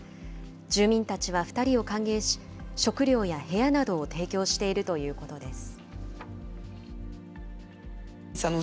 住民たちは２人を歓迎し、食料や部屋などを提供しているということです。